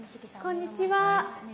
こんにちは。